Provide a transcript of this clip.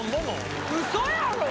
ウソやろ？